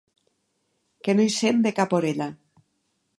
Que no hi sent de cap orella.